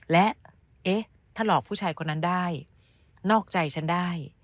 และเอ๊ะถ้าหลอกผู้ชายคนนั้นได้นอกใจฉันได้